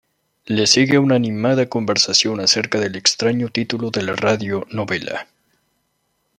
Le sigue una animada conversación acerca del extraño título de la radio-novela.